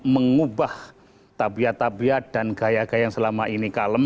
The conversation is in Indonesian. mengubah tabiat tabiat dan gaya gaya yang selama ini kalem